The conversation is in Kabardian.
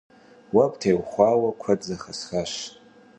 Уэ птеухауэ куэд зэхэсхащ.